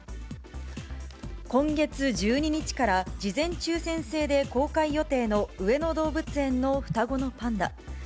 今月１２日から事前抽せん制で公開予定の上野動物園の双子のパンダ。